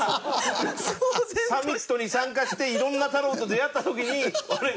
サミットに参加していろんな太郎と出会った時にあれ？